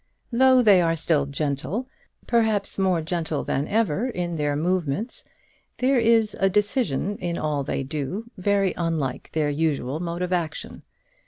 Though they are still gentle, perhaps more gentle than ever in their movements, there is a decision in all they do very unlike their usual mode of action.